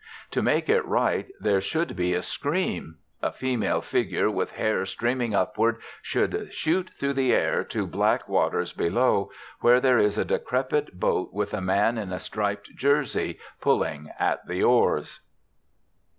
To make it right there should be a scream. A female figure with hair streaming upward should shoot through the air to black waters below, where there is a decrepit boat with a man in a striped jersey pulling at the oars.